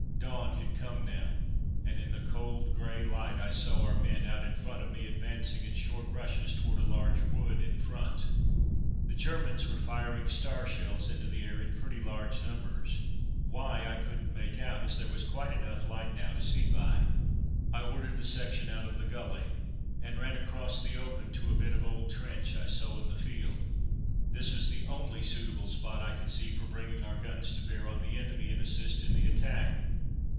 Dawn had come now, and in the cold grey light I saw our men out in front of me advancing in short rushes towards a large wood in front. The Germans were firing star shells into the air in pretty large numbers, why, I couldn't make out, as there was quite enough light now to see by. I ordered the section out of the gully, and ran across the open to a bit of old trench I saw in the field. This was the only suitable spot I could see for bringing our guns to bear on the enemy, and assist in the attack.